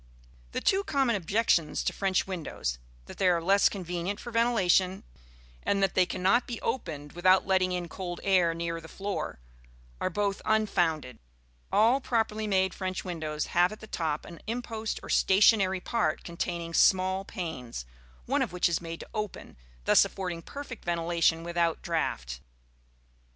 The two common objections to French windows that they are less convenient for ventilation, and that they cannot be opened without letting in cold air near the floor are both unfounded. All properly made French windows have at the top an impost or stationary part containing small panes, one of which is made to open, thus affording perfect ventilation without draught.